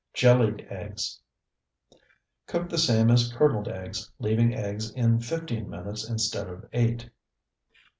JELLIED EGGS Cook the same as curdled eggs, leaving eggs in fifteen minutes instead of eight.